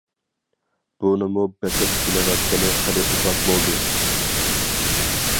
بۇنىمۇ بېقىپ كېلىۋاتقىلى خېلى ئۇزاق بولدى.